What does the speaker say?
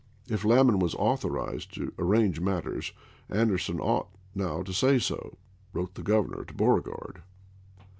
" If Lamon was authorized to w. e. voi. arrange matters, Anderson ought now to say so," "' 282. wrote the Governor to Beauregard.